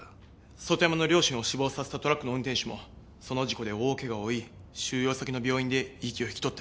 外山の両親を死亡させたトラックの運転手もその事故で大怪我を負い収容先の病院で息を引き取ってます。